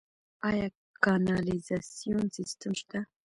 آیا کانالیزاسیون سیستم شته؟